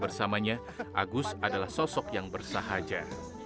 bersamanya agus adalah sosok yang bersahaja